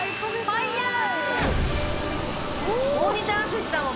「ファイヤー」。